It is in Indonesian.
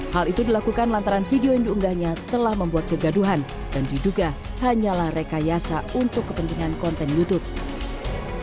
hal itu dilakukan lantaran video yang diunggahnya telah membuat kegaduhan dan diduga hanyalah rekayasa untuk kepentingan konten youtube